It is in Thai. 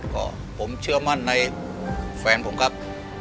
ก็ผมเชื่อมั่นในแฟนผมครับ